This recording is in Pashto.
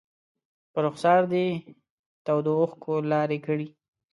په رخسار دې تودو اوښکو لارې کړي